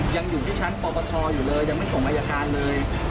ยังอยู่ที่ชั้นปปทอยู่เลยยังไม่ส่งอายการเลย